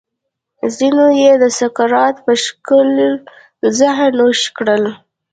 ځینو یې د سقراط په شکل زهر نوش کړي.